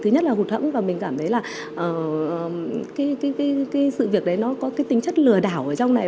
rất là hụt hẫng và mình cảm thấy là cái sự việc đấy nó có cái tính chất lừa đảo ở trong này